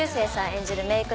演じるメイク